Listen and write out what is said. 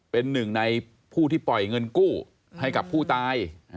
เป็นหนึ่งในผู้ที่ปล่อยเงินกู้ให้กับผู้ตาย